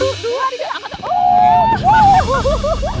eh satu dua tiga empat oh